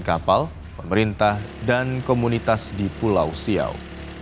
dan kapal pemerintah dan komunitas di pulau siau